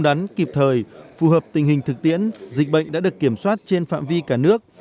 ngắn kịp thời phù hợp tình hình thực tiễn dịch bệnh đã được kiểm soát trên phạm vi cả nước